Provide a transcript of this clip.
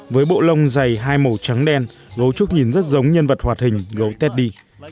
với bộ lông dày hai màu trắng đen gấu trúc nhìn rất giống nhân vật hoạt hình gấu teddy